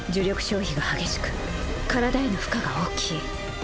消費が激しく体への負荷が大きい。